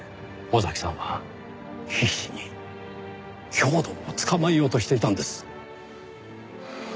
尾崎さんは必死に兵頭を捕まえようとしていたんです。